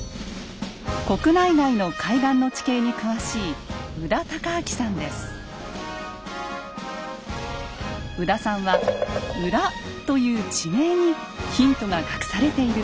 国内外の海岸の地形に詳しい宇多さんは「浦」という地名にヒントが隠されているといいます。